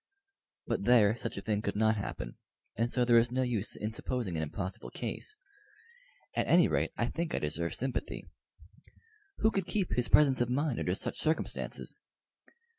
But there such a thing could not happen, and so there is no use in supposing an impossible case. At any rate I think I deserve sympathy. Who could keep his presence of mind under such circumstances?